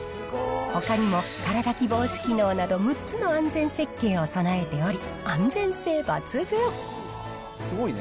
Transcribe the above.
ほかにも空だき防止機能など、６つの安全設計を備えており、すごいね。